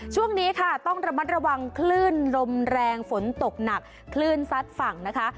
ช่วงนี้ค่ะต้องระมัดระวังคลื่นลมแรงฝนตกหนักคลื่นซัดฝั่งนะคะ